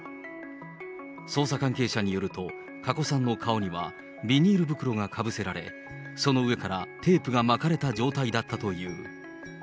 捜査関係者によると、加古さんの顔にはビニール袋がかぶせられ、その上からテープが巻かれた状態だったという。